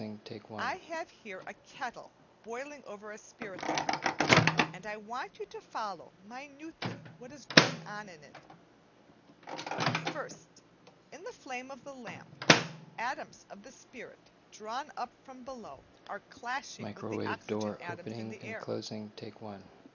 I have here a kettle (Fig. 18, p. 76) boiling over a spirit lamp, and I want you to follow minutely what is going on in it. First, in the flame of the lamp, atoms of the spirit drawn up from below are clashing with the oxygen atoms in the air.